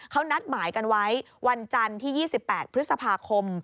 เขานัดหมายกันไว้วันจันทร์ที่๒๘พฤษภาคม